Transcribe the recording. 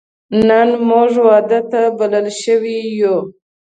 نن موږ واده ته بلل شوی یو